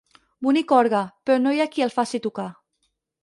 Bonic orgue, però no hi ha qui el faci tocar.